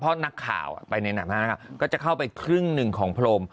เพราะนักข่าวไปในหนังหน้าข่าวก็จะเข้าไปครึ่งหนึ่งของพรม